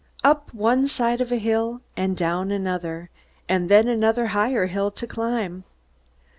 Up one side of a hill, and down another, and then another higher hill to climb!